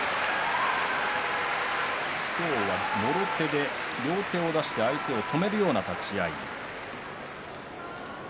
今日はもろ手で両手を出して相手を止めるような立ち合い。